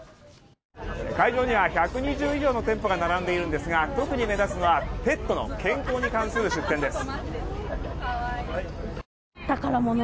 会場には１２０以上の店舗が並んでいるんですが特に目立つのはペットの健康に関する出店です。